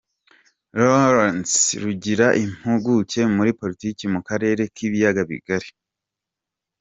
Lonzen Rugira, impuguke muri Politiki mu karere k’Ibiyaga bigari.